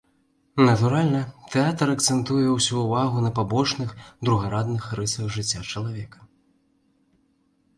Натуральна, тэатр акцэнтуе ўсю ўвагу на пабочных, другарадных рысах жыцця чалавека.